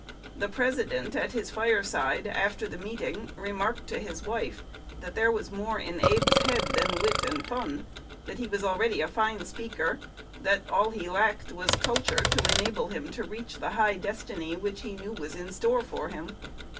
The president at his fireside, after the meeting, remarked to his wife, that there was more in Abe's head than wit and fun; that he was already a fine speaker; that all he lacked was culture to enable him to reach the high destiny which he knew was in store for him.